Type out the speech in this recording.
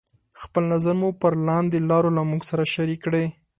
خپل نظر مو پر لاندې لارو له موږ سره شريکې کړئ: